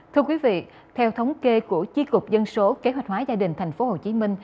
thưa quý vị theo thống kê của chi cục dân số kế hoạch hóa gia đình tp hcm